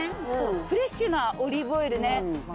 フレッシュなオリーブオイルね。